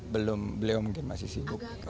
belum beliau mungkin masih sibuk